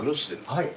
はい。